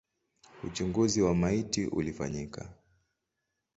Uchunguzi wa maiti ulifanyika.